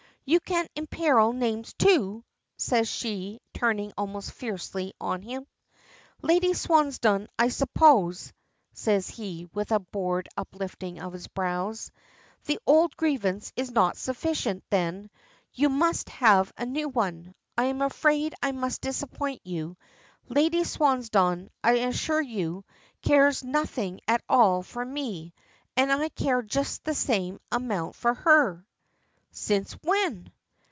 "You can imperil names, too!" says she, turning almost fiercely on him. "Lady Swansdown again, I suppose," says he, with a bored uplifting of his brows. "The old grievance is not sufficient, then; you must have a new one. I am afraid I must disappoint you. Lady Swansdown, I assure you, cares nothing at all for me, and I care just the same amount for her." "Since when?"